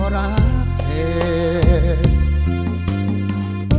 ไม่ใช้